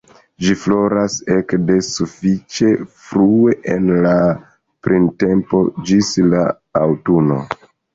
Ĝi floras ekde sufiĉe frue en la printempo ĝis la aŭtuno.